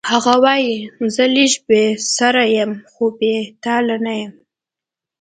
هغه وایی زه لږ بې سره یم خو بې تاله نه یم